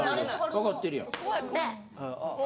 わかってるやん。